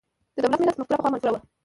د دولت–ملت مفکوره پخوا منفوره وه.